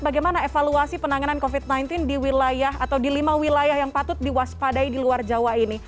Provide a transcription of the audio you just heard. bagaimana evaluasi penanganan covid sembilan belas di wilayah atau di lima wilayah yang patut diwaspadai di luar jawa ini